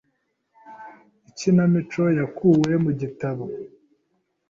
Ikinamico yakuwe mu gitabo.